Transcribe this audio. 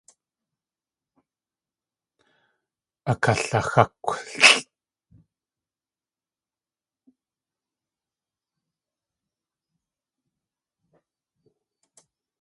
Akalaxákwlʼ.